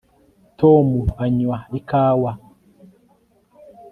tom anywa ikawa